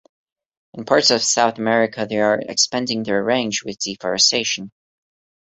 In parts of South America, they are expanding their range with deforestation.